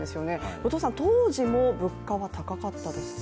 後藤さん、当時も物価が高かったんですか？